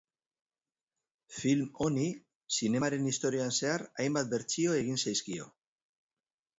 Film honi, Zinemaren Historian zehar, hainbat bertsio egin zaizkio.